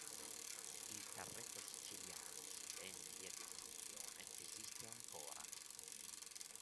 Il carretto siciliano, sebbene in via di estinzione, esiste ancora.